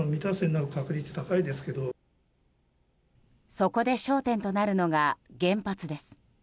そこで焦点となるのが原発です。